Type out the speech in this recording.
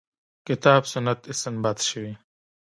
کتاب سنت استنباط شوې.